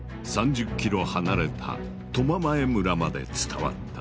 ３０ｋｍ離れた苫前村まで伝わった。